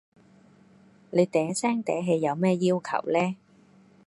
你嗲聲嗲氣有咩要求呢?